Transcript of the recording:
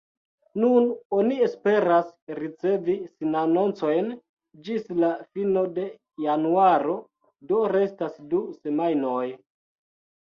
Nun oni esperas ricevi sinanoncojn ĝis la fino de januaro, do restas du semajnoj.